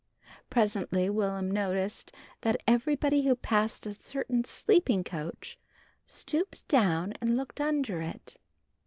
Presently Will'm noticed that everybody who passed a certain sleeping coach, stooped down and looked under it.